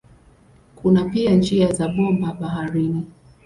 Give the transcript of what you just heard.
Kuna pia njia za bomba baharini.